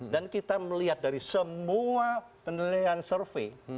dan kita melihat dari semua penilaian survei